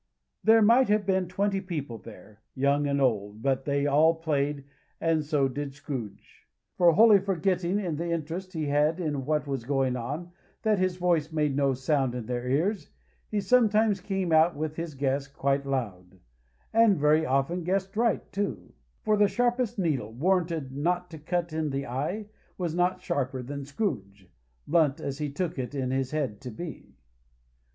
There might have been twenty people there, young and old, but they all played, and so did Scrooge; for, wholly forgetting in the interest he had in what was going on, that his voice made no sound in their ears, he sometimes came out with his guess quite loud, and very often guessed right, too; for the sharpest needle, warranted not to cut in the eye, was not sharper than Scrooge; blunt as he took it in his head to be.